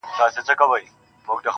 فلسفې نغښتي دي,